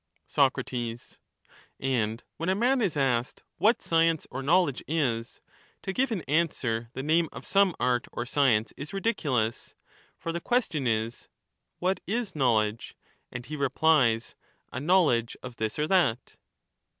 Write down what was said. Soc, And when a man is asked what science or knowledge is, to give in answer the name of some art or science is ridiculous ; for the question is, * What is knowledge ?' and he replies, * A knowledge of this or that.'